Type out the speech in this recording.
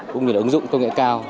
cũng như là ứng dụng công nghệ cao